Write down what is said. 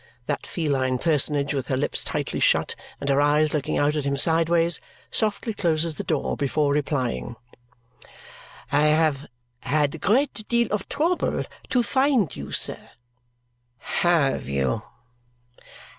That feline personage, with her lips tightly shut and her eyes looking out at him sideways, softly closes the door before replying. "I have had great deal of trouble to find you, sir." "HAVE you!"